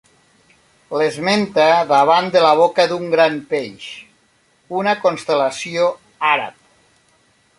L'esmenta davant de la boca d'un Gran Peix, una constel·lació àrab.